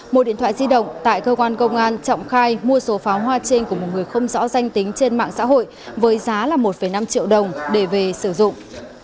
một điện thoại di động tại cơ quan công an trọng khai mua số pháo hoa trên của một người không rõ danh tính trên mạng xã hội với giá là một năm triệu đồng để về sử dụng